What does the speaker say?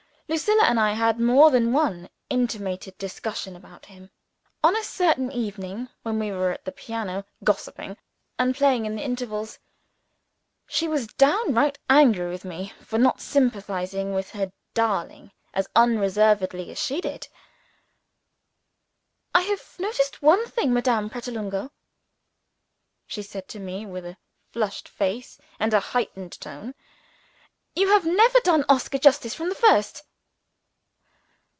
Lucilla and I had more than one animated discussion about him. On a certain evening when we were at the piano gossiping, and playing in the intervals, she was downright angry with me for not sympathizing with her darling as unreservedly as she did. "I have noticed one thing, Madame Pratolungo," she said to me, with a flushed face and a heightened tone. "You have never done Oscar justice from the first."